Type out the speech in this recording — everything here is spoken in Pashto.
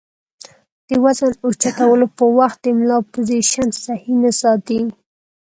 د وزن اوچتولو پۀ وخت د ملا پوزيشن سهي نۀ ساتي